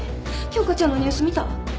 京花ちゃんのニュース見た？